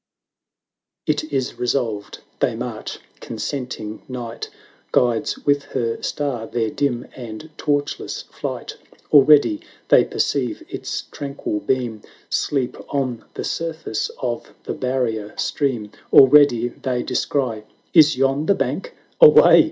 XII. It is resolved — they march — consent ing Night Guides with her star their dim and torchless flight; Already they perceive its tranquil beam Sleep on the surface of the barrier stream ; Already they descry — Is yon the bank ? Away